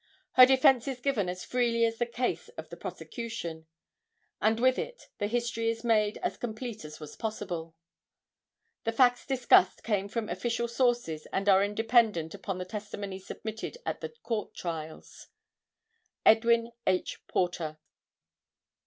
Her defense is given as freely as the case of the prosecution, and with it the history is made as complete as was possible. The facts discussed came from official sources and are dependent upon the testimony submitted at the court trials. EDWIN H. PORTER.